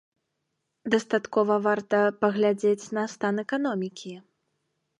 Дастаткова варта паглядзець на стан эканомікі.